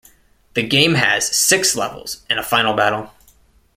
The game has six levels and a final battle.